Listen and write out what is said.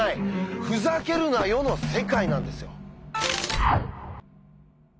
「ふざけるなよ」の世界なんですよ。